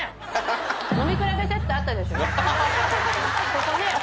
ここね。